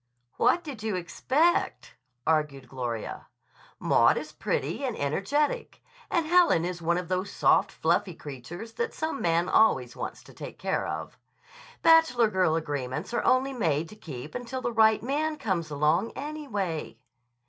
"What did you expect?" argued Gloria. "Maud is pretty and energetic, and Helen is one of those soft, fluffy creatures that some man always wants to take care of. Bachelor girl agreements are only made to keep until the right man comes along, anyway."